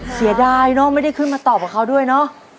เสียดายเนอะไม่ได้ขึ้นมาตอบกับเขาด้วยเนอะ